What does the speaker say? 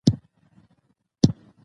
اداري شفافیت شک کموي